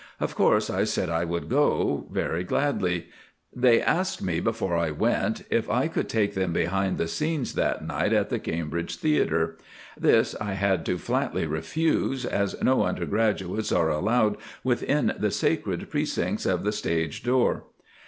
Of course I said I would very gladly go. They asked me before I went if I could take them behind the scenes that night at the Cambridge Theatre. This I had to flatly refuse, as no undergraduates are allowed within the sacred precincts of the stage door.